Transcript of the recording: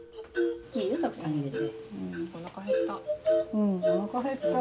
うんおなか減った。